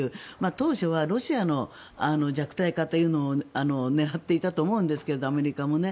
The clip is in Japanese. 当初はロシアの弱体化というのを狙っていたと思うんですがアメリカもね。